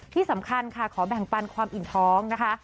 ที่สำคัญค่ะขอแบ่งปันความอิ่มท้องนะคะ